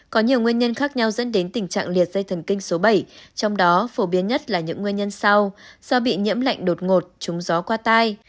có nhiều nguyên nhân khác nhau dẫn đến tình trạng liệt dây thần kinh số bảy trong đó phổ biến nhất là những nguyên nhân sau do bị nhiễm lạnh đột ngột trúng gió qua tai